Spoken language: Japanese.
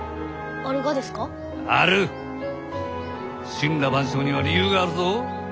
森羅万象には理由があるぞ。